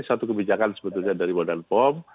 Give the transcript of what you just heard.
satu kebijakan sebetulnya dari bpom